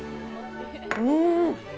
うん。